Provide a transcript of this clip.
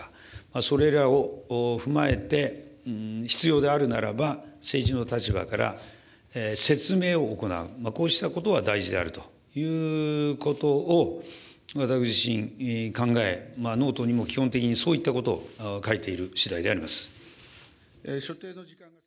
それらを踏まえて、必要であるならば、政治の立場から、説明を行う、こうしたことが大事であるということを、私自身、考え、ノートにも基本的にそういったことを書いている次第であります。